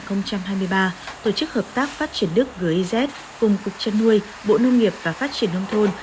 từ tháng một đến tháng bốn năm hai nghìn hai mươi ba tổ chức hợp tác phát triển đức giz cùng cục chăn nuôi bộ nông nghiệp và phát triển nông thôn